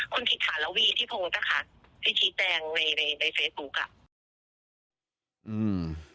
คุณฮิทหารวีที่โทรงตะคารที่ชี้แตงในเฟสบุค